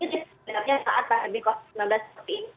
itu sebenarnya saat pak remiko